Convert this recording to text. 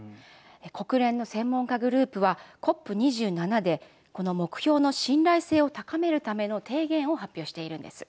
国連の専門家グループはＣＯＰ２７でこの目標の信頼性を高めるための提言を発表しているんです。